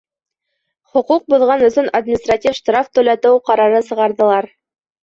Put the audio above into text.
Хоҡуҡ боҙған өсөн административ штраф түләтеү ҡарары сығарҙылар.